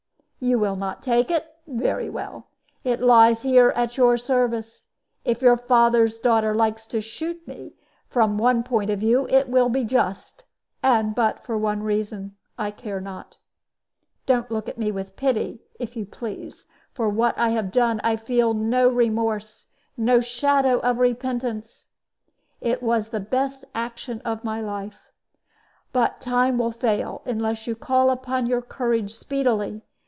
"You will not take it? Very well; it lies here at your service. If your father's daughter likes to shoot me, from one point of view it will be just; and but for one reason, I care not. Don't look at me with pity, if you please. For what I have done I feel no remorse, no shadow of repentance. It was the best action of my life. But time will fail, unless you call upon your courage speedily.